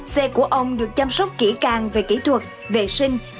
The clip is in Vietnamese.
xe của ông được chăm sóc kỹ càng về kỹ thuật vệ sinh